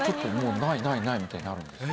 ないないないみたいになるんですよ。